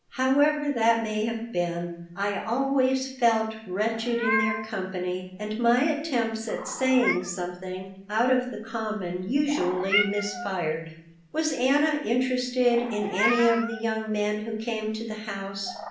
However that may have been, I always felt wretched in their company, and my attempts at saying something out of the common usually missed fire Was Anna interested in any of the young men who came to the house?